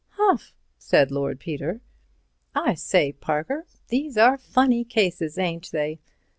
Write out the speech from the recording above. "Humph!" said Lord Peter. "I say, Parker, these are funny cases, ain't they?